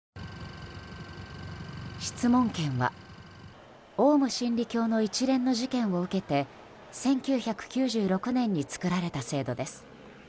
質問権は、オウム真理教の一連の事件を受けて１９９６年に作られた制度です。